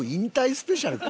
スペシャルか。